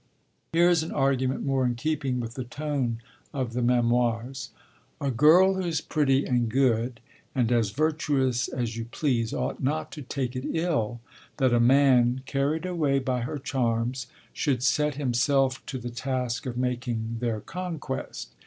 Here is an argument more in keeping with the tone of the Memoirs: A girl who is pretty and good, and as virtuous as you please, ought not to take it ill that a man, carried away by her charms, should set himself to the task of making their conquest.